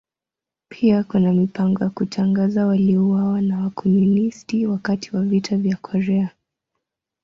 Pia kuna mipango ya kutangaza waliouawa na Wakomunisti wakati wa Vita vya Korea.